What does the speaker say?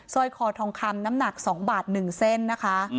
ร้อยคอทองคำน้ำหนัก๒บาท๑เส้นนะคะ